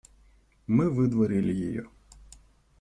Мы выдворили ее.